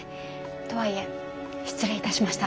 とはいえ失礼いたしました。